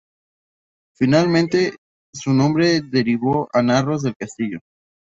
Finalmente, su nombre derivó a Narros del Castillo.